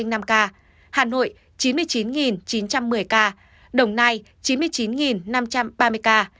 tp hcm năm trăm một mươi hai chín trăm một mươi ca đồng nai chín mươi chín năm trăm ba mươi ca tây ninh tám mươi sáu năm trăm năm mươi ba ca